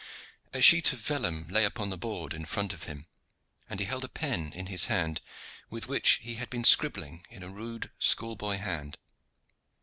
A sheet of vellum lay upon the board in front of him, and he held a pen in his hand, with which he had been scribbling in a rude schoolboy hand.